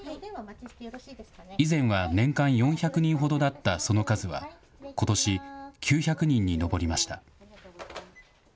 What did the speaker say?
以前は年間４００人ほどだったその数は、ことし、９００人に上りました。